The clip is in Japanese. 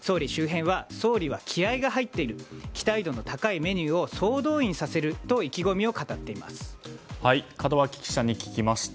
総理周辺は総理は気合が入っている期待度の高いメニューを総動員させると門脇記者に聞きました。